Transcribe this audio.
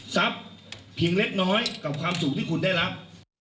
เพียงเล็กน้อยกับความสุขที่คุณได้รับ